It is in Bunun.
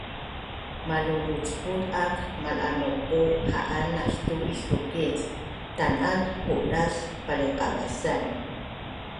Malulucbut ak malanuqu ha’an nastu is lukic tan’at qudas paliqabasan